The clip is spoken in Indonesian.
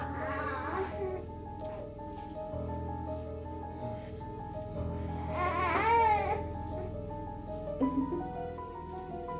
saya mencium bau bayi dari rumah itu